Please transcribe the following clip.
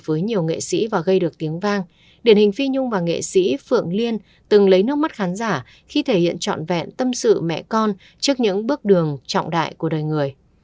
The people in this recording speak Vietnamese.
với nhiều nghệ sĩ và gây được tiếng vang điển hình phi nhung và nghệ sĩ phượng liên từng lấy nước mắt khán giả khi thể hiện trọn vẹn tâm sự mẹ con trước những bước đường trọng đại của đời người